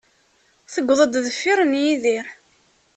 Tewweḍ-d deffir n Yidir.